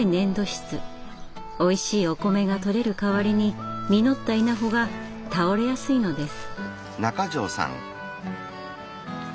おいしいお米がとれる代わりに実った稲穂が倒れやすいのです。